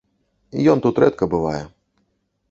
Ён тут рэдка бывае.